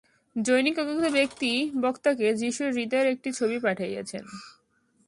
জনৈক অজ্ঞাত ব্যক্তি বক্তাকে যীশুর হৃদয়ের একটি ছবি পাঠাইয়াছেন।